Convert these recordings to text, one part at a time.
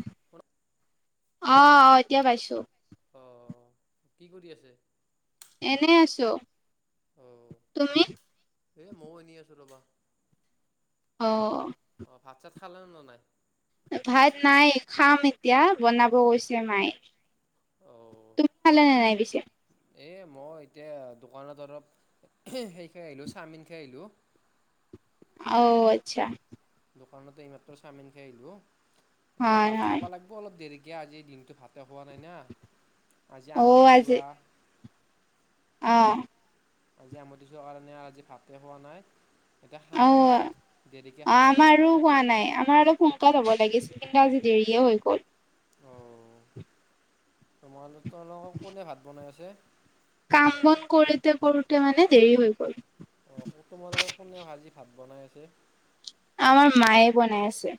[unintelligible] অহ', অহ' এতিয়া পাইছোঁ। অহ' কি কৰি আছে? এনেই আছোঁ। অহ'। এ মইয়ো এনেই আছোঁ ৰ'বা। অহ'। খালা নে নাই? ভাত নাই, খাম এতিয়া বনাব গৈছে মায়ে। তুমি খালা নে নাই পিছে? এ মই এতিয়া দোকানত অলপ, সেই খাই আহিলোঁ চাওমিন খাই আহিলোঁ। [unintelligible] অহ' আচ্ছা। দোকানতে এইমাত্ৰ চাওমিন খাই আহিলোঁ। এতিয়া হয়, ভাত হয় খাব লাগবো অলপ দেৰিকে আজি দিনটো ভাতে পোৱা নাই না আজি আমতিৰ চোৱা অহ আজি আমটি চোৱা কাৰণে আজি ভাতে খোৱা নাই এতিয়া অ খামহে অ ভাত। দেৰিকে খাম আৰু। আমাৰো হোৱা নাই আমাৰ সো টাত হব লাগিছিল কিন্তু আজি দেৰিয়ে হৈ গ'ল অঁ তোমালোকলত কোনে ভাত বনাই আছে? কাম বন কৰোতে কৰোতে মানে দেৰি হৈ গল অহ' তোমালোকৰ কোনে আজি ভাত বনাই আছে? আমাৰ মায়ে বনাই আছে।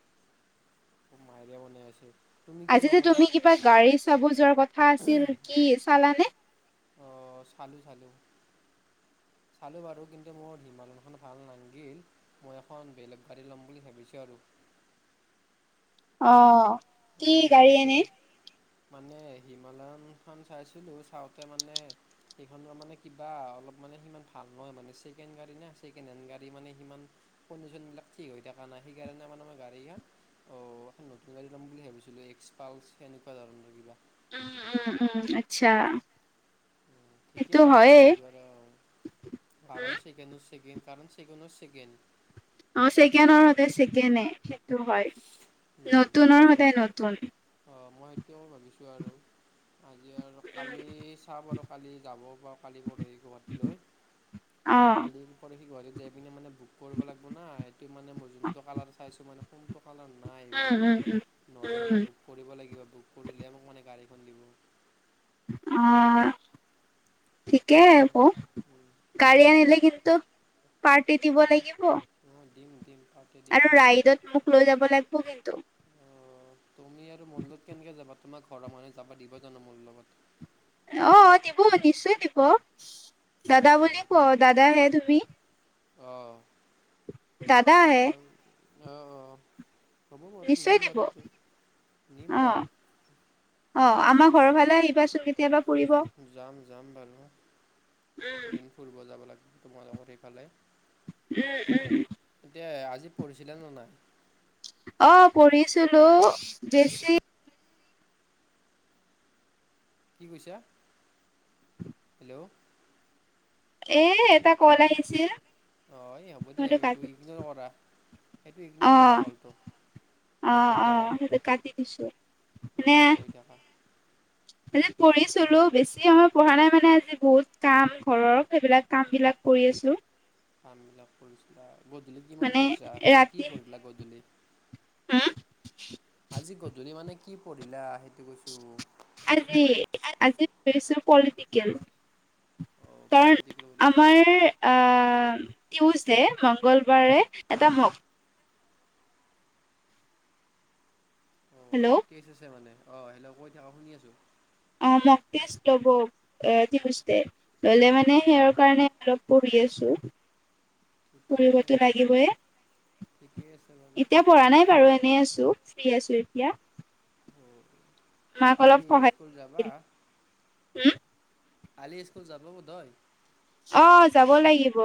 অহ' মাইৰে বনাই আছে। তুমি কিয় আজি যে নবনা তুমি কিবা গাড়ী চাব যোৱাৰ কথা আছিল, কি চালানে? অহ' চালোঁ চালোঁ। চালোঁ বাৰু কিন্তু মোৰ হিমালয়খন ভাল নালগিল, মই এখন বেলেগ গাড়ী ল'ম বুলি ভাবিছোঁ আৰু। [unintelligible] অ কি মানে গাড়ী চেই এনে? মানে হিমালয়নখন চাইছিলোঁ চাওঁতে মানে সেইখন মানে কিবা অলপমান মানে সিমান ভাল নহয় মানে ছেকেণ্ড গাডী না ছেকেণ্ড হেণ্ড গাড়ী মানে সিমান কনডিচনবিলাগ ঠিক হৈ থাকা নাই সেইকাৰণে আমাৰ গাড়ী খান অ এখন নতুন গাড়ী লম বুলি ভাবিছিলোঁ এক্স পালচ সেনকুৱা ধৰণৰ কিবা উম উম উম আচ্ছা উ ঠিকেই সেইটো ভা হয়ে ভাবিছো আৰু অ কাৰণ চেকেণ্ড হেচ কাৰণ চেকুনৰ চেকেন অ চেকেনৰ সদায় চেকেনে সেইটো হয় নতুনৰ সদায় নতুন এতা মই ভাবিছো আৰু আজি আৰু কালি চাও বাৰু' কালি যাব পাৰো কালি পৰহি গুৱাহাটীলৈ অ [unintelligible] কালি পৰহি গুৱাহাটীত যাই পিনে মানে বুক কৰিব লাগব না সেটো মানে মই যোনটো কালাৰ চাইছো মানে কোনটো কালৰ উম নাইএভেলেৱেল উম উম নহ'লে মানে উম বুক কৰিব লাগিব বুক কৰিলেহে মোক মানে গাড়ী অহ ঠিকে হব আজি গাড়ী পিছে আনিলে কিন্তু পাৰ্টি দিব লাগিব। অ দিম দিম। তাতে দিম আৰু ৰাইডত মোক লৈ যাব লাগব কিন্তু অ তুমি আৰু মোৰ লগত কেনেকে যাবা তোমাৰ ঘৰৰ মানুহে যাবা দিব জানো মোৰ লগত অ দিব নিশ্চয় দিব দাদা বুলি কও দাদাহে তুমি অ দাদা অ অ হ'ব বাৰু নিশ্চয় নিম দিব বাৰু এইটো নিম অ বাৰু অ আমাৰ ঘৰৰ ফালে আহিবাচোন কেতিয়াবা ফুৰিব যাম যাম বাৰু উম এদিন ফুৰিব যাব লাগে তোমাৰ লগত সেইফালে উম উম এতিয়া আজি পঢ়িছিলা নে নাই অ পঢ়িছিলো বেছি কি কৈছা হেল্ল' এ এটা কল আহিছে অ এই হ'ব দিয়া এই এইটো ইগনৰ কৰা সেইটো ইগনৰ কৰা কলটো অহ কৈ থাকা অহ সেটো কতি দিছোঁ মানে কৈ থাকা মানে পঢ়িছিলো বেছি সময় পঢ়া নাই মানে আজি বহুত কাম ঘৰৰ সেইবিলাক কাম বিলাক কৰি আছো কামবিলাক কৰিছিলা গধূলি কিমান মানে পঢ়িছা আজি ৰাতি কি পঢ়িলা গধূলি হম আজি গধূলি মানে কি পঢ়িলা সেইটো কৈছো আজি আজি পঢ়িছো পলিটিকেল অঁ কাৰণ পলিটিকেল পঢ়িছিলোঁ আমাৰ আ টিওজডে মঙ্গলবাৰে এটা মগ হেল্ল' কেচ আছে মানে অ হেল্ল কৈ থাক শুনি আছো টেচ ল'ব এ টিওজডে ললে মানে হেয়াৰ অঁ কাৰণে আৰু পঢ়ি আছো। ঠিকেই পঢ়িব আছে ত বাৰু লাগিবই ঠিকেই আছে বাৰু এতিয়া পঢ়া নাই বাৰু এনে আছো। ফ্ৰী আছো এতিয়া। মাক কালি স্কুল যাবা? উম। কালি স্কুল যাব বোধ হয়। অ যাব লাগিব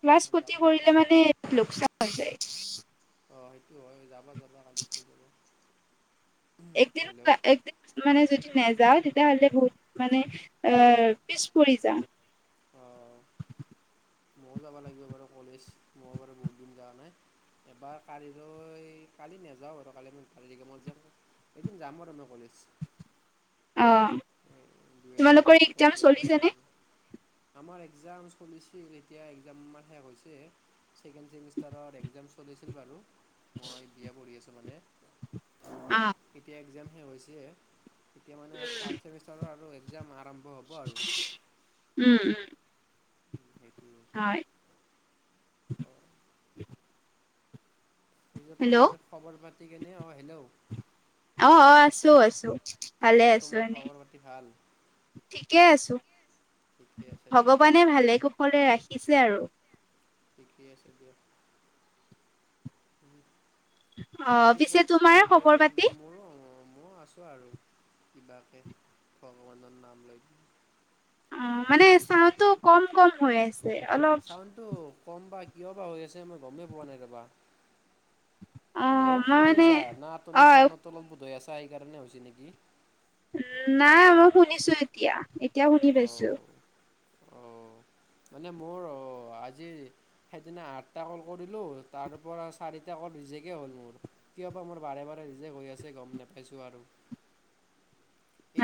ক্লাছ খতি যাবা কৰিলে যাবা মানে লোকচান হৈ যায়। অঁ সেইটো হয় যাবা যাবা কালি স্কুল যাবা। একদিন হেল্ল' একদিন মানে যদি নে যাওঁ তেতিয়াহ'লে বহুত মানে আহ পিছ পৰি যাম। অ। ময়ো যাব লাগিব বাৰু কলেজ মই বাৰু বহুত দিন যোৱা নাই। এবাৰ কালিলৈ কালি নাযাওঁ আৰু কালি মই যাম এদিন যাম আৰু মই কলেজ উ অ তোমালোকৰ এক্জাম কলেজত যাব চলিছ নে? লাগিব আমাৰ একজাম চলিছিল এতিয়া একজাম শেষ হৈছে ছেকেণ্ড চেমিষ্টাৰত একজাম চলিছিল বাৰু মই বি এ পঢ়ি আছোঁ মানে। অ। একজাম হৈছে এতিয়া মানে থ্ৰাট চেমিষ্টাৰৰ আৰু একজাম উম উম। উ সেইটো। হয়। অঁ যে হেল্ল' অ তোমাৰ খবৰ পাতি কেনে অ হেল্ল'? অ আছো, আছো, ভালে অঁ আছো তোমাৰ এনেই খবৰ পাতি ভাল ঠিকে আছো। ঠিকে আছে দিয়াতো ভগৱানে ভালে কুশলে ৰাখিছে আৰু। ঠিকেই আছে দিয়া উম'। অ' পিছে তোমাৰ খবৰ পাতি। ময় আছো আৰু কিবাকে ভগৱানৰ নাম লৈ দিও। অ' মানে চাউণ্ডতো কম কম হৈ আছে অলপ। চাউণ্ডটো কম বা কিয় বা হৈ আছে মই গমেই পোৱা নাই ৰবা। অ হেল্ল' মই শুনি মানে আছা? না তুমি অ ফেনত অলপ বোধ হয় আছা। সেই কাৰণে হৈছে নেকি? উ, নাই মই শুনিছো এতিয়া, এতিয়া শুনি পাইছো। অঁ অ' মানে মোৰ আজি সেইদিনা আঠটা কল কৰিলো তাৰ পৰা চাৰিটা ৰিজেকএ হ'ল মোৰ কিয় বা? মোৰ বাৰে বাৰে ৰিজেক্ট হৈ আছে গম নাপাইছো আৰু।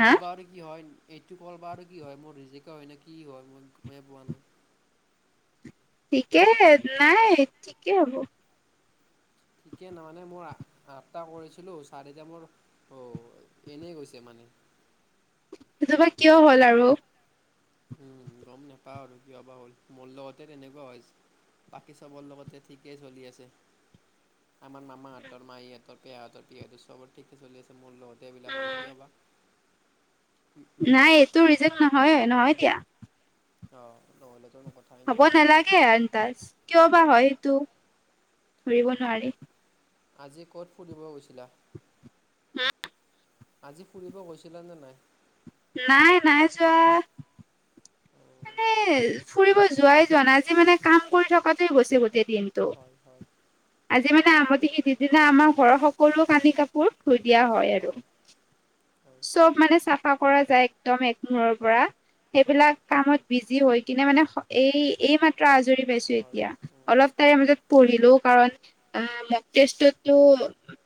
হা বা আৰু কি হয়? এইটো কল বা আৰু কি হয় মোৰ। ৰিজেক্ট হয় নে কি হয়? মই গমে পোৱা নাই। ঠিকে নাই ঠিকেই হ'ব। ঠিকে ন মানে মই আ আঠটা কৰিছিলো চাৰিটা মোৰ অ' এনেই গৈছে মানে। [inaudible] সেইজপা কিয় হ'ল আৰু? উম গম নাপাও আৰু কিয় বা হ'ল মোৰ লগতে তেনেকুৱা হৈ। বাকী চবৰ লগতে ঠিকেই চলি আছে। আমাৰ মামাহঁতৰ, মাহিহঁতৰ, পেহাহঁতৰ, পেহীহঁতৰ সবৰে ঠিকে চলি আছে, মোৰ লগ এইবিলাক হয়, কিয় বা। নাই এইটো ৰিজাল্ট নহয়ে, নহয় দিয়া। অ', নহ'লে হ'ব নালাগে আন্তাজ, কিয় অ' বা হয় অ'। সেইটো। ধৰিব নোৱাৰি। আজি ক'ত ফুৰিব গৈছিলা? হা? আজি ফুৰিব গৈছিলা নে নাই? নাই, নাই যোৱা। অঁ, মানে ফুৰিব যোৱাই যোৱা নাই, আজি মানে কাম কৰি থকাতে গৈছে গোটেই দিনটো, হয় হয় আজি হয় মানে আমটি সিদ্ধি দিনা আমাৰ ঘৰৰ সকলো কানি কাপোৰ ধুই দিয়া হ'য় আৰু, চব মানে চাফা কৰা যায় একদম একমূৰৰ পৰা। হয় হয় সেইবিলাক কামত বিজি হৈ কিনে মানে এই, এই মাত্ৰ আজৰি পাইছো হয়। এতিয়া, অলপ তাৰে মাজত পঢ়িলো, কাৰণ এ মক টেষ্টটোতটো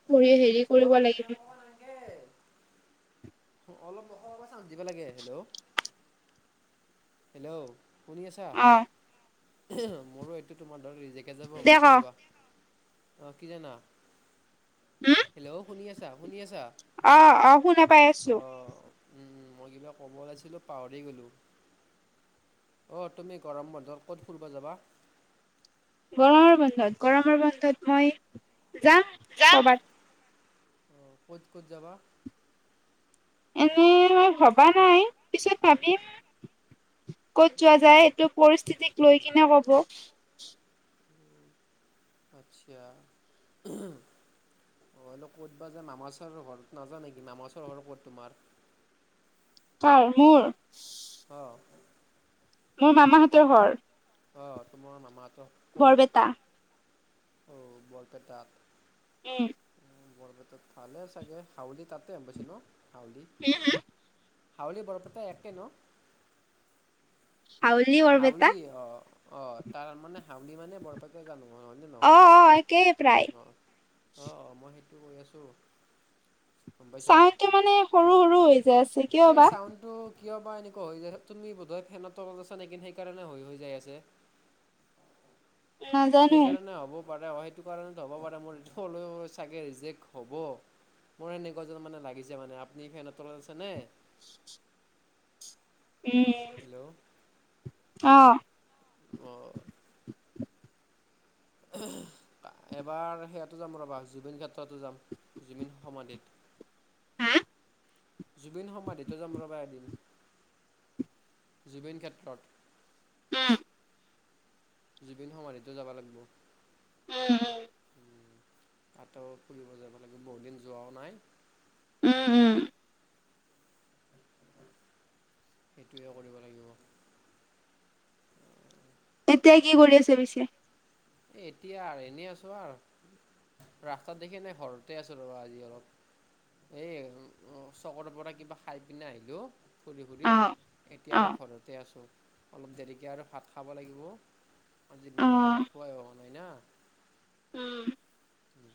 পঢ়িয়ে হেৰি কৰিব অ' ইমান লাগিব। ক'ব নালগে। অলপ [unintelligible] চাঞ্চ দিব লাগে, হেল্ল' হেল্ল', শুনি আছা, অ' মোৰো এইটো তোমাৰ দৰে ৰিজেক্ট কে যাব গম দে ক পাইছো ৰ'বা, অ' কি জানা? হম হেল্ল', শুনি আছা-শুনি আছা? অ' অ' শুনা পাই আছো। অ' মই কিবা ক'ব ওলাইছিলোঁ পাহৰিয়েই গ'লোঁ। অ', তুমি গৰম বন্ধত ক'ত ফুৰিব যাবা? গৰমৰ বন্ধত, গৰমৰ বন্ধত মই যাম কৰ'বাত। অ', ক'ত ক'ত যাবা? এনেই ভবা নাই, পিছত ভাবিম ক'ত যোৱা অ', যায়, সেইটো পৰিস্থিতিক লৈ কিনে হ'ব। আচ্ছা অ', হ'লেও ক'তবা [unintelligible] ঘৰত নাযা নেকি নামাচৰ ঘৰত ক'ত তোমাৰ? কাৰ, মোৰ? অ'। মোৰ মামাহঁতৰ ঘৰ? অ' তোমাৰ মামা বৰপেটা। অ', বৰপেটাত। উম। বৰপেটাত ভালে চাগে হাউলি তাতে [unintelligible] পাইছোঁ ন হাউলি? হাউলী বৰপেটা একে ন? হাউলি বৰপেটা? হাউলি অ', অ', তাৰ মানে হাউলি মানে বৰপেটা জানো। অ', হয় নে অ নহয়, অ একেই প্ৰায় অ', অ' অ', মই সেইটো গৈ আছোঁ। গম পাইছা। [unintelligible] মানে সৰু সৰু হৈ যাই আছে কিয় এ বা। চাউণ্ডটো কিয় বা এনেকুৱা হৈ যায়, তুমি বোধহয় ফেনৰ তলত আছা নেকি, নে সেইকাৰণে হৈ হৈ যাই আছে। নাজানো সেইকাৰণে হ'ব পাৰে অ', সেইটো কাৰণত হ'ব পাৰে, মোৰ হ'লেও চাগে ৰিজেক্ট হ'ব। মোৰ এনেকুৱা যেন মানে লাগিছে মানে, আপুনি ফেনৰ তলত আছে নে উম হেল্ল' অ'। অঁ উম এইবাৰ সেইয়াটো যাম ৰ'বা, জুবিন ক্ষেত্ৰতো যাম, জুবিন সমাধিত। হা জুবিন সমাধিত যাম ৰবা এদিন। জুবিন ক্ষেত্ৰত উম। জুবিন সমাধিতো যাব লাগিব। উম। উম। তাতো ফুৰিব যাব লাগিব, বহুতদিন যোৱাও নাই। উম। উম। সেইটোৱে কৰিব লাগিব। উ তিয়া কি কৰি আছে পিছে? এ এতিয়া আৰু এনেই আছো আৰু। ৰাস্তাটো দেখি নাই ঘৰতে আছো ৰ'বা আজি অলপ। এ, চহৰৰ পৰা কিবা খাই পিনে আহিলো। ফুৰি ফুৰি অ এতিয়া অ অলপ ঘৰতে আছোঁ। অলপ দেৰিকে আৰু ভাত খাব লাগিব, আজি অ দিনতো ভাত খুৱাই হোৱা নাই না। উম।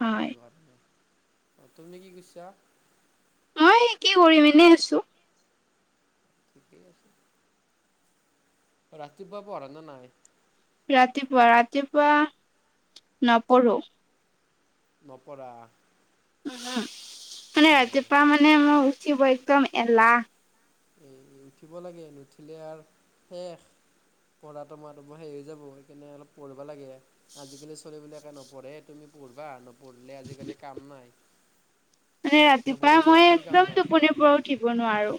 হয় সেইটো কাৰণে, অ' তুমি কি কৰিছা? এই কি কৰিম এনেই আছো। [unintelligible] ৰাতিপুৱা পৰা না নাই? ৰাতিপুৱা, ৰাতিপুৱা নপঢ়ো। নপৰা। উহুম, মানে ৰাতিুৱা মানে মোৰ উঠিব একদম এলাহ। উম উঠিব লাগে, নুঠিলে আৰু শেষ। পঢ়াতো মই সেই হৈ যাব। সেইকাৰনে অলপ পঢ়িবা লাগে। আজিকালি চলি বিলাকে নপঢ়ে। তুমি পঢ়িবা নোপঢ়িলে আজিকালি কাম নাই। মানে ৰাতিপুৱা নপঢ়িলে মই একোৱে কাম একদম নাই টোপনিৰ আজিকালি। পৰা উঠিব নোৱাৰো।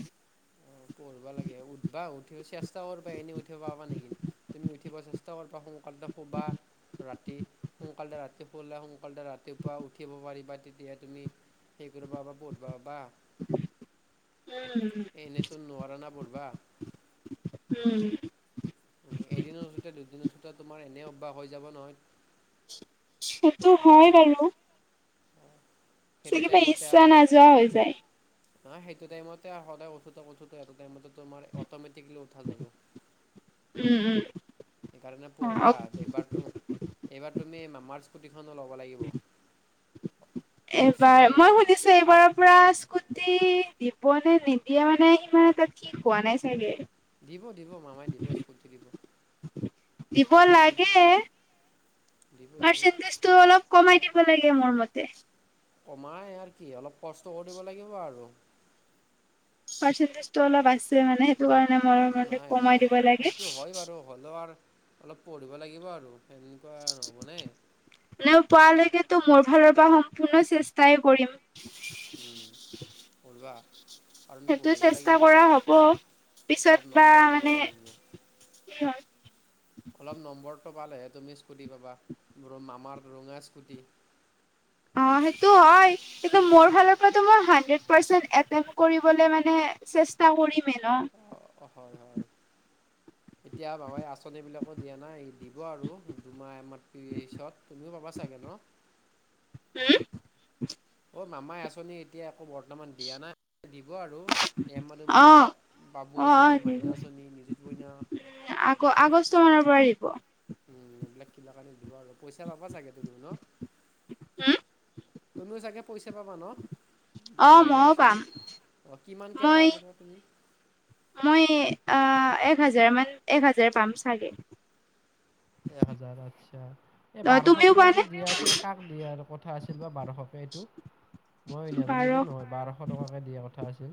অ', পঢ়বা লাগে উঠবা উঠি চেষ্টা কৰবা এনেই উঠিব পাৰবা নেকি? তুমি উঠিব চেষ্টা কৰবা সোনকালতে শুবা ৰাতি, সোনকাল ৰাতি শুৱা, সোনকালতে ৰাতিপুৱা উঠিবাব পাৰিবা তেতিয়া তুমি। সেই কৰ বাবা বহুতবাবা [unintelligible] [unintelligible] এনেইতো নোৱাৰা না পঢ়বা। উম এদিন উঠোতে দুদিন উঠোতে তোমাৰ এনে অভ্যাস হৈ যাব নহয়। সেইটো হয় বাৰু। সেইটো কিবা টাইমতে ইচ্ছা আৰু নাযোৱা হৈ যায়। সেইটো টাইমতে সদায় উঠোতে উঠোতে টাইমতে তোমাৰ অমেটিকি উঠা যাব। [unintelligible] উম উম সেইকাৰণে পঢ়বা, অ', এইবাৰ এইবাৰ তুমি মামাৰ ল'ব লাগিব। এইবাৰ এই মই শুনিছো ফাৰ্ষ্ট এইবাৰৰ পৰা দিব নে নিদিয়ে, মানে ইমান তাত কি কোৱা নাই চাগে। দিব দিব মামাই দিব স্কুটি দিব। দিব লাগে দিব দিব পাৰ্চেণ্টেজটো অলপ কমাই দিব লাগে মোৰ মতে। কমাই আৰু কি অলপ কষ্ট কৰিব লাগিব আৰু পাৰ্চেণ্টেজটো অলপ আছে মানে, সেইটো কাৰণে মই নাই কমাই দিব লাগে। সেইটো হয় বাৰু হ'লেও আৰু অলপ পঢ়িব লাগিব আৰু সেনেকুৱা নহবনে তটো মোৰ ফালৰ পৰা সম্পূৰ্ণ চেষ্টাই কৰিম। উম। অলবা সেইটো চেষ্টা কৰা হ'ব। অলপ পিছত বা নম্বৰটো মানে পাব লাগিব [unintelligible] অলপ নম্বৰ পালেহে তুমি স্কুটি পাবা, বুলি মামাৰ ৰঙা স্কুটি। অ', সেইটো হ'য়, কিন্ত মোৰ ফালৰ পৰাতো মই হানদ্ৰেত ৰ্পাৰচেনট এতেমট কৰিবলৈ মানে চেষ্টা কৰিম। অ' অ', হয় হয়, এতিয়া মামাই আঁচনি বিলাক দিয়া নাই, দিব আৰু, দুমাহ এ এইমছত, তুমিও পাবা চাগে ন? [inaudible] উ অ' মামাই আঁচনি এতিয়া বৰ্তমান দিয়া নাই দিব আৰু এমাহ দুমাহ অ পিছত বাবু অ অ আঁচনি, দিব মাইনা আঁচনি নিযুত মইনা আকৌ আগষ্ট মানৰ পৰা আহিব। উম এইবিলাক কাবা কাৰণে দিব আৰু পইচা পাবা চাগে তুমি ন? উম। তুমিও চাগে পইচা পাবা ন? অ মাইনা মইও আঁচনি, পাম অ', কিমানকে মই পাবা বা তুমি। মই আহ, এক হাজাৰ মান, এক হাজাৰ পাম চাগে। এহাজাৰ, আচ্ছা, এই অ বাৰশ তুমিও কে পোৱা নে যে দিয়া আছিল, কাক দিয়ে আৰু? কথা আছিল বা বাৰশকে এইটো, মই বাৰ নাজানিলো নহয় বাৰশ টকাকে দিয়া কথা আছিল।